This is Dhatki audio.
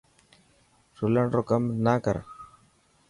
رولڻ رو ڪم نه ڪر.